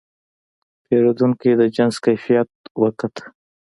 پیرودونکی د جنس کیفیت وکت.